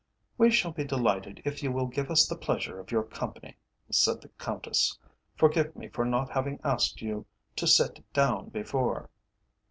"We shall be delighted if you will give us the pleasure of your company," said the Countess. "Forgive me for not having asked you to sit down before."